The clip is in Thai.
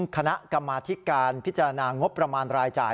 คณะกรรมาธิการพิจารณางบประมาณรายจ่าย